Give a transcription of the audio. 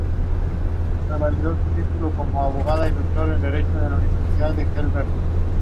ellos no vivieron